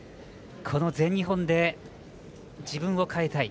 この全日本で自分を変えたい。